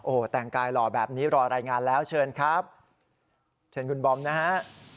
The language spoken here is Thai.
โอ้โหแต่งกายหล่อแบบนี้รอรายงานแล้วเชิญครับเชิญคุณบอมนะฮะ